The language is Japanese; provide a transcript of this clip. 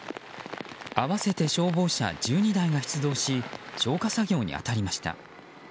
合わせて消防車１２台が出動し消火作業に当たりました。